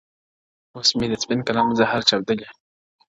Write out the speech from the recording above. اوس مي د سپين قلم زهره چاودلې ـ